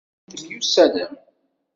Dayen, temyussanem?